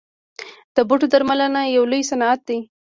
د بوټو درملنه یو لوی صنعت دی